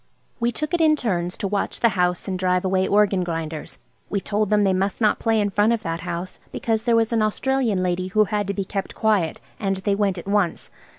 We took it in turns to watch the house and drive away organ grinders. We told them they must not play in front of that house, because there was an Australian lady who had to be kept quiet. And they went at once.